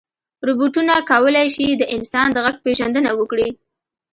روبوټونه کولی شي د انسان د غږ پېژندنه وکړي.